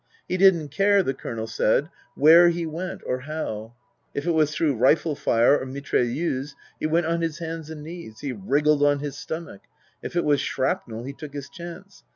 He didn't care, the Colonel said, where he went or how. If it was through rifle fire or mitrailleuse he went on his hands and knees he wriggled on his stomach. If it was shrapnel he took his chance.